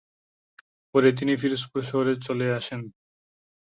পরে তিনি পিরোজপুর শহরে চলে আসেন।